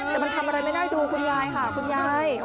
แต่มันทำอะไรไม่ได้ดูคุณยายค่ะคุณยาย